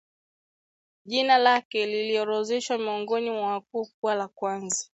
Jina lake liliorodheshwa miongoni mwa wakuu kuwa la kwanza